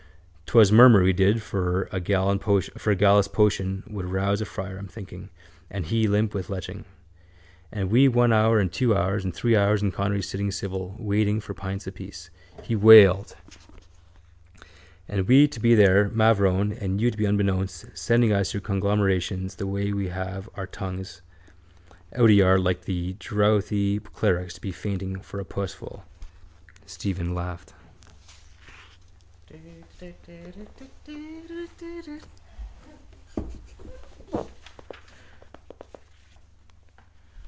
'Twas murmur we did for a gallus potion would rouse a friar, I'm thinking, and he limp with leching. And we one hour and two hours and three hours in Connery's sitting civil waiting for pints apiece. He wailed: —And we to be there, mavrone, and you to be unbeknownst sending us your conglomerations the way we to have our tongues out a yard long like the drouthy clerics do be fainting for a pussful. Stephen laughed.